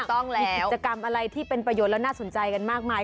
ต้องแล้วมีกิจกรรมอะไรที่เป็นประโยชน์แล้วน่าสนใจกันมากมาย